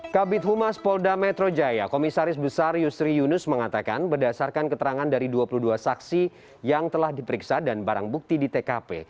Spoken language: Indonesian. kabit humas polda metro jaya komisaris besar yusri yunus mengatakan berdasarkan keterangan dari dua puluh dua saksi yang telah diperiksa dan barang bukti di tkp